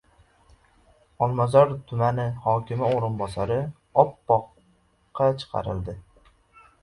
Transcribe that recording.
Olmazor tumani hokimi o‘rinbosari «oppoq»qa chiqarildi.